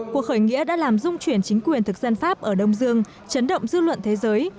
cuộc khởi nghĩa đã làm dung chuyển chính quyền thực dân pháp ở đông dương chấn động dư luận thế giới